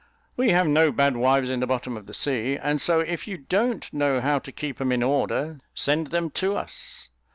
"We have no bad wives in the bottom of the sea: and so if you don't know how to keep 'em in order, send them to us."